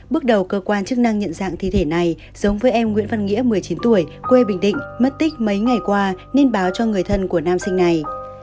bước đầu cơ quan chức năng nhận dạng thi thể này giống với em nguyễn văn nghĩa một mươi chín tuổi quê bình định mất tích mấy ngày qua nên báo cho người thân của nam sinh này